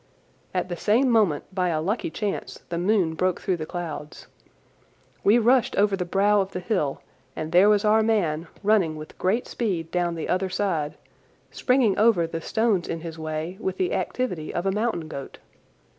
At the same moment by a lucky chance the moon broke through the clouds. We rushed over the brow of the hill, and there was our man running with great speed down the other side, springing over the stones in his way with the activity of a mountain goat.